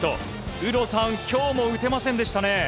有働さん、今日も打てませんでしたね。